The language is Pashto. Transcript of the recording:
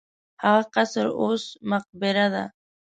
هغه قصر اوس مقبره ده.